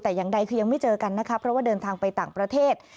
แต่อย่างใดคือยังไม่เจอกันนะคะเพราะว่าเดินทางไปต่างประเทศ